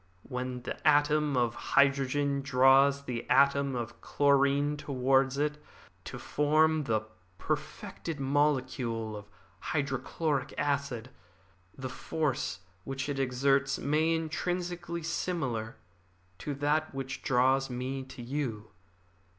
When the atom of hydrogen draws the atom of chlorine towards it to form the perfected molecule of hydrochloric acid, the force which it exerts may be intrinsically similar to that which draws me to you.